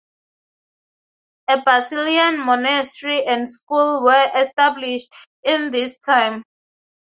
A Basilian monastery and school were established in this time.